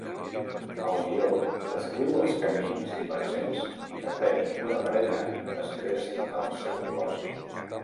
El guió descriu els camins divergents que pren una parella després del seu divorci.